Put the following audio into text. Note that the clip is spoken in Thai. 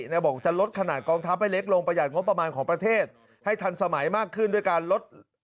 บอกจะลดขนาดกองทัพให้เล็กลงประหัดงบประมาณของประเทศให้ทันสมัยมากขึ้นด้วยการลด